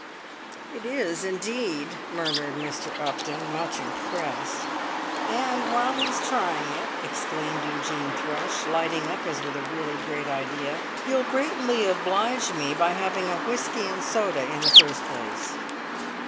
"It is, indeed!" murmured Mr. Upton, much impressed. "And while he is trying it," exclaimed Eugene Thrush, lighting up as with a really great idea, "you'll greatly oblige me by having a whisky and soda in the first place."